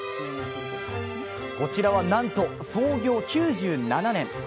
こちらはなんと創業９７年。